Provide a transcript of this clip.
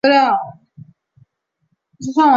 我就上网读资料